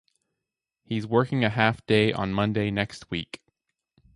He's working a half day on Monday next week.